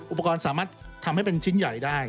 อุปกรณ์สามารถทำให้เป็นชิ้นใหญ่ได้